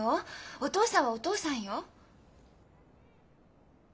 お父さんはお父さんよ。